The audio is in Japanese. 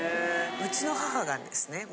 うちの母がですね